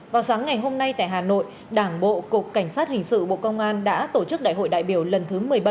vào sáng ngày hôm nay tại hà nội đảng bộ cục cảnh sát hình sự bộ công an đã tổ chức đại hội đại biểu lần thứ một mươi bảy